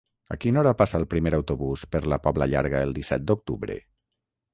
A quina hora passa el primer autobús per la Pobla Llarga el disset d'octubre?